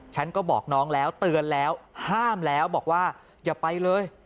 ฉันก็บอกน้องแล้วเตือนแล้วห้ามแล้วบอกว่าอย่าไปเลย